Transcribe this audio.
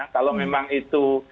kalau memang itu